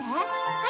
はい！